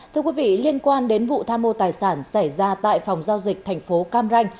thưa quý vị liên quan đến vụ tham mô tài sản xảy ra tại phòng giao dịch thành phố cam ranh